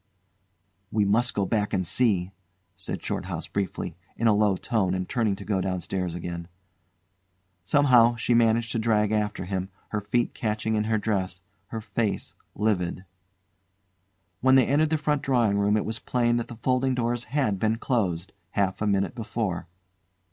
"We must go back and see," said Shorthouse briefly, in a low tone, and turning to go downstairs again. Somehow she managed to drag after him, her feet catching in her dress, her face livid. When they entered the front drawing room it was plain that the folding doors had been closed half a minute before.